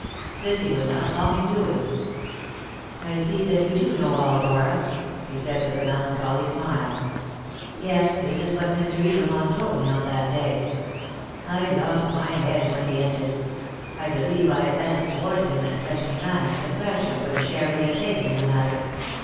This he was not long in doing. "I see that you know all, Dora," he said with a melancholy smile. "Yes, this is what Mr. Edermont told me on that day. I lost my head when he ended; I believe I advanced towards him in a threatening manner, to thrash him for the share he had taken in the matter.